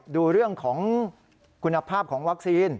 ดูเรื่องของคุณภาพของวัคซีน